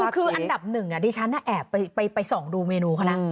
คืออันดับ๑ที่ฉันแอบไปส่องดูเมนูค่ะนะ